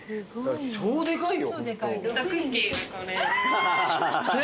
超でかいよ。